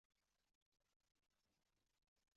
有些甲酸盐甚至不能存在。